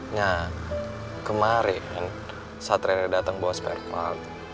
nah kemarin saat rere datang buat spare part